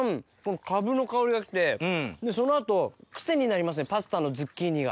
カブの香りが来てその後クセになりますねパスタのズッキーニが。